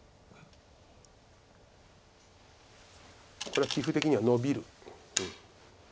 これ棋風的にはノビる。